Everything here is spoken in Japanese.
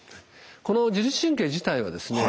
この自律神経自体はですね